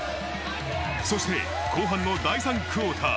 そして後半の第３クオーター。